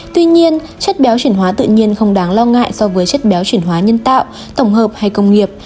tuy nhiên chất béo chuyển hóa tự nhiên không đáng lo ngại so với chất béo chuyển hóa nhân tạo tổng hợp hay công nghiệp